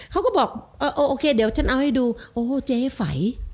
เค้าก็บอกโอเคเดี๋ยวฉันเอาให้ดูโอ้เจฝัย